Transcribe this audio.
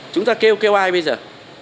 chúng ta kêu kêu ai bây giờ